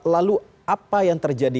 lalu apa yang terjadi